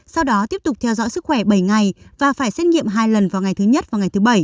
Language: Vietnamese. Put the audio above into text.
sau đó tiếp tục theo dõi sức khỏe bảy ngày và phải xét nghiệm hai lần vào ngày thứ nhất và ngày thứ bảy